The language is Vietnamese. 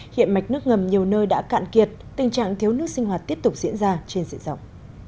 hiện mạch nước ngầm nhiều nơi đã cạn kiệt tình trạng thiếu nước sinh hoạt tiếp tục diễn ra trên diện rộng